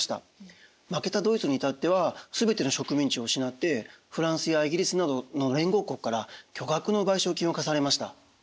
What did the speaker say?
負けたドイツに至ってはすべての植民地を失ってフランスやイギリスなどの連合国から巨額の賠償金を課されました。